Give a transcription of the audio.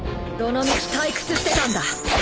どのみち退屈してたんだ。